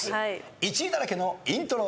１位だらけのイントロ。